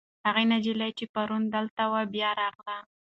هغه نجلۍ چې پرون دلته وه، بیا راغله.